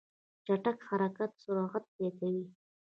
چټک حرکت سرعت زیاتوي.